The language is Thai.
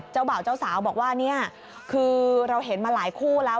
บ่าวเจ้าสาวบอกว่าเนี่ยคือเราเห็นมาหลายคู่แล้ว